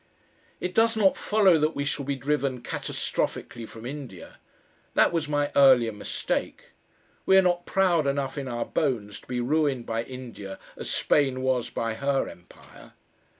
It does not follow that we shall be driven catastrophically from India. That was my earlier mistake. We are not proud enough in our bones to be ruined by India as Spain was by her empire.